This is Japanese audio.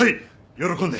喜んで。